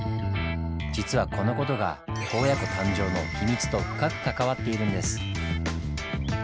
実はこの事が洞爺湖誕生の秘密と深く関わっているんです。